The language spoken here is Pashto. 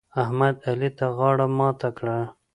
احمد؛ علي ته غاړه ماته کړه.